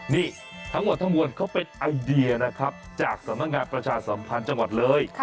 นี่ทั้งหมดทั้งมวลเขาเป็นไอเดียนะครับจากสำนักงานประชาสัมพันธ์จังหวัดเลย